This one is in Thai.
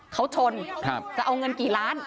เขาชนจะเอาเงินกี่ล้าน